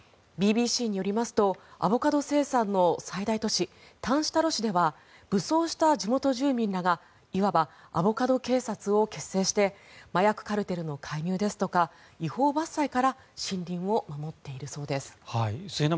ＢＢＣによりますとアボカド生産の最大都市タンシタロ市では武装した地元住民らがいわばアボカド警察と結成して麻薬カルテルの介入ですとか違法伐採から森林を守っているそうです。